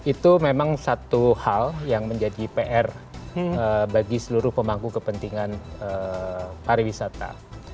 itu memang satu hal yang menjadi pr bagi seluruh pemangku kepentingan pariwisata